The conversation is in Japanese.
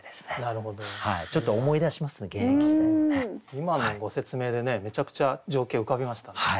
今のご説明でねめちゃくちゃ情景浮かびましたね。